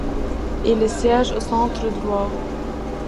Il siège au centre-droit.